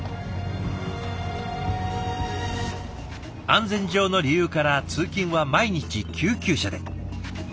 安全上の理由から通勤は毎日救急車で。